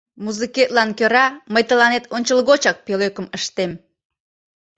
Музыкетлан кӧра мый тыланет ончылгочак пӧлекым ыштем...